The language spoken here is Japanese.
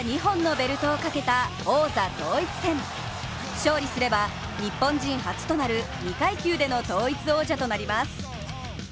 勝利すれば日本人初となる２階級での統一王者となります。